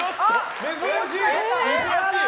珍しい！